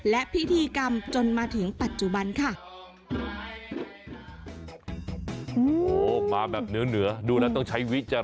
และพิธีกรรมจนมาถึงปัจจุบันค่ะ